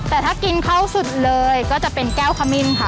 แต่ถ้ากินเข้าสุดเลยก็จะเป็นแก้วขมิ้นค่ะ